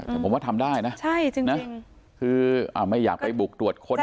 แต่ผมว่าทำได้นะนะคืออ่าไม่อยากไปบุกตรวจคนอะไร